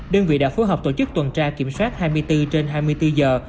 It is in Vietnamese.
đơn vị đã phối hợp tổ chức tuần tra kiểm soát hai mươi bốn trên hai mươi bốn giờ